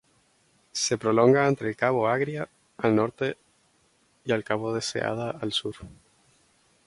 Se prolonga entre el Cabo Agria, al norte y el Cabo Deseada al sur.